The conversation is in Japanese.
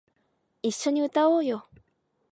一緒に歌おうよ